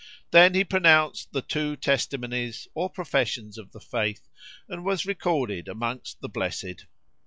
Then he pronounced the Two Testimonies,[FN#21] or Professions of the Faith, and was recorded among the blessed.